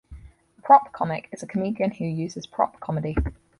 A prop comic is a comedian who uses prop comedy.